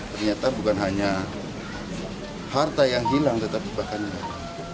ternyata bukan hanya harta yang hilang tetapi bahkan yang